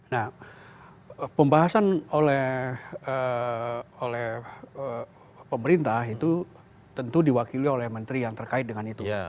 nah pembahasan oleh pemerintah itu tentu diwakili oleh menteri yang terkait dengan itu